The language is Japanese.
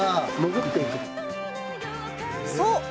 そう！